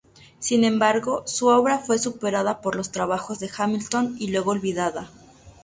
Sin embargo, su obra fue superada por los trabajos de Hamilton y luego olvidada.